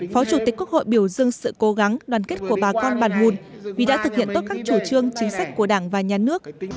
phó chủ tịch quốc hội biểu dương sự cố gắng đoàn kết của bà con bàn hùn vì đã thực hiện tốt các chủ trương chính sách của đảng và nhà nước